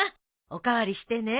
お代わりしてね。